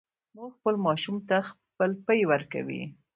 مور خپل ماشوم ته خپل پی ورکوي